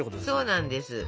そうなんです。